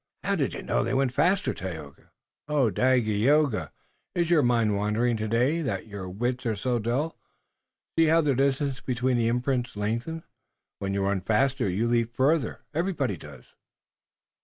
"How do you know they went faster, Tayoga?" "O Dagaeoga, is your mind wandering today that your wits are so dull? See, how the distance between the imprints lengthens! When you run faster you leap farther. Everybody does."